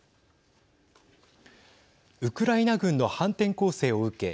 ウクライナ軍の反転攻勢を受け